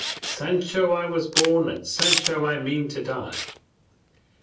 Sancho I was born and Sancho I mean to die.